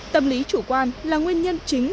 tâm lý chủ quan là nguyên nhân chính